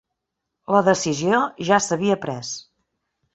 La decisió ja s'havia pres.